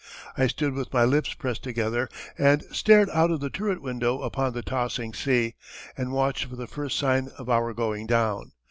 I stood with my lips pressed together and stared out of the turret window upon the tossing sea, and watched for the first sign of our going down.